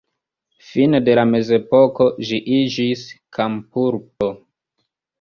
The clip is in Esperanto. Fine de la mezepoko ĝi iĝis kampurbo.